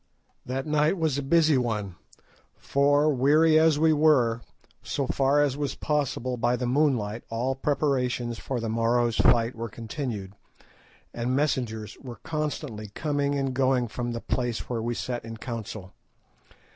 That night was a busy one, for weary as we were, so far as was possible by the moonlight all preparations for the morrow's fight were continued, and messengers were constantly coming and going from the place where we sat in council.